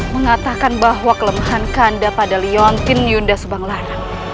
mengatakan bahwa kelemahan kanda pada liontin yunda sebanglara